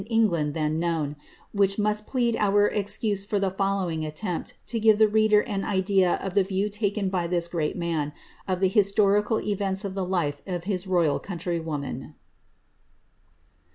England than known, which must plead our excuse for the following attempt to give tlie reader an idea of the view taken by this great man, of the historical events of the life of his royal countrywoman.